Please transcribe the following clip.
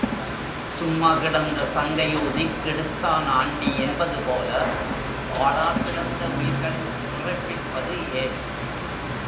சும்மா கிடந்த சங்கை ஊதிக் கெடுத்தான் ஆண்டி என்பது போல, வாளா கிடந்த உயிர்களைப் பிறப்பிப் பது ஏன்?